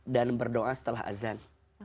dan berdoa setelah azan